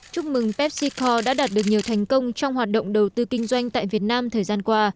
chúc mừng pepsico đã đạt được nhiều thành công trong hoạt động đầu tư kinh doanh tại việt nam thời gian qua